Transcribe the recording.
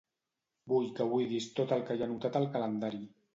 Vull que buidis tot el que hi ha anotat al calendari.